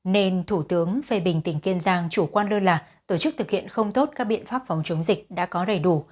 nên thủ tướng phê bình tỉnh kiên giang chủ quan lơ là tổ chức thực hiện không tốt các biện pháp phòng chống dịch đã có đầy đủ